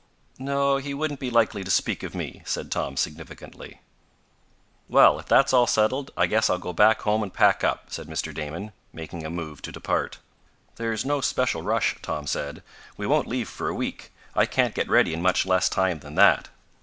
"No, he wouldn't be likely to speak of me," said Tom significantly. "Well, if that's all settled, I guess I'll go back home and pack up," said Mr. Damon, making a move to depart. "There's no special rush," Tom said. "We won't leave for a week. I can't get ready in much less time than that."